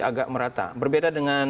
agak merata berbeda dengan